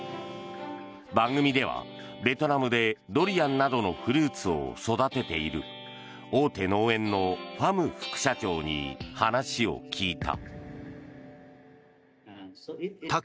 番組では、ベトナムでドリアンなどのフルーツを育てている大手農園のファム副社長に話を聞いた。